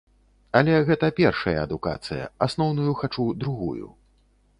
Але гэта першая адукацыя, асноўную хачу другую.